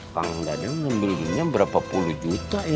kang dadang ngambilnya berapa puluh juta ya